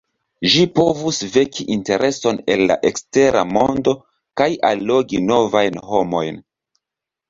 Ĝi povus veki intereson el la ekstera mondo kaj allogi novajn homojn.